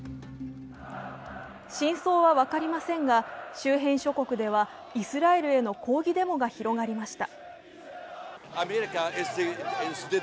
真相は分かりませんが、周辺諸国ではイスラエルへの抗議デモが広がりました。